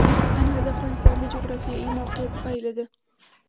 انار د افغانستان د جغرافیایي موقیعت پایله ده.